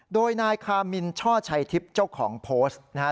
โดยนายคามินช่อชัยทิพย์เจ้าของโพสต์นะฮะ